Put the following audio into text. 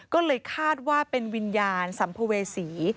ก็เลยคาดว่าเป็นวิญญาณสัมภเวษี